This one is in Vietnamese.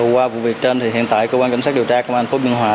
qua vụ việc trên hiện tại cơ quan công an xác định